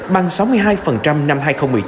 bằng sáu mươi hai năm hai nghìn một mươi chín